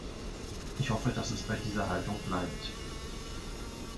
Ich hoffe, dass es bei dieser Haltung bleibt.